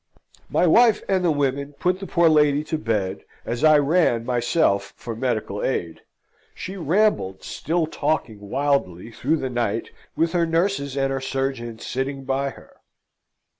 My wife and the women put the poor lady to bed as I ran myself for medical aid. She rambled, still talking wildly, through the night, with her nurses and the surgeon sitting by her.